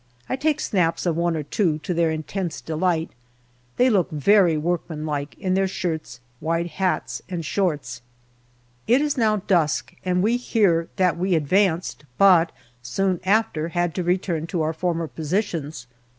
I take snaps of one or two, to their intense delight. They look very work manlike in their shirts, wide hats, and shorts. It is now dusk and we hear that we advanced, but soon after had to return to our former positions.